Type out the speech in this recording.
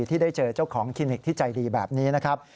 ที่ได้เจอเจ้าของคลินิกที่ใจดีแบบนี้นะครับ